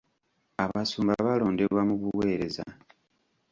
Abasumba balondebwa mu buweereza.